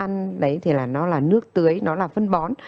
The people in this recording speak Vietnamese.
ăn đấy thì nó là nước tưới nó là phân bón